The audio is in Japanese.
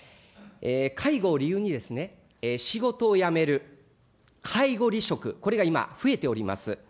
介護を理由に仕事を辞める、介護離職、これが今、増えております。